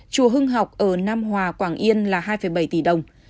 chùa hưng học ở nam hòa quảng yên là hai bảy tỷ đồng